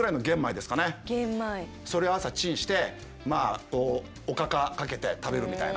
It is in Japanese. それを朝チンしてまあこうおかかかけて食べるみたいな。